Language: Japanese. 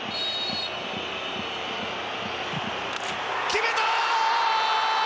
決めた！